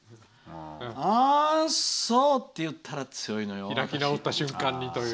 ああ、そう！って言ったら強いのよ。